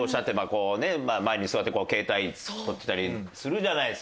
こうね前に座って携帯撮ってたりするじゃないですか。